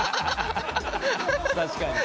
確かに。